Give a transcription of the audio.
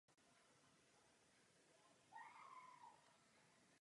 Říkali nám o velkém množství konkrétních opatření.